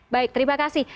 baik terima kasih